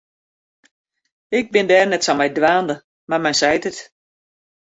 Ik bin dêr net sa mei dwaande, mar men seit it.